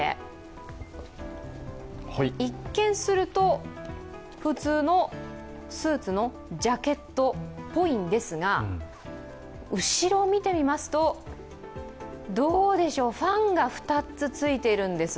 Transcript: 一見すると、普通のスーツのジャケットっぽいんですが、後ろを見てみますとどうでしょう、ファンが２つついているんです。